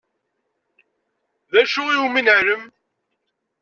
D acu iwumi neɛlem?